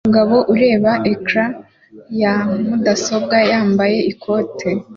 Umugabo ureba ecran ya mudasobwa yambaye ikote